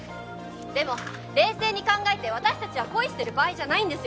でも冷静に考えて私たちは恋してる場合じゃないんですよ。